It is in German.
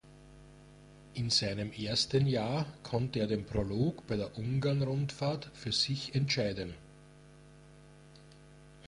In seinem ersten Jahr konnte er den Prolog bei der Ungarn-Rundfahrt für sich entscheiden.